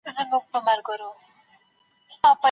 ابونصر فارابي مسلمان فيلسوف و.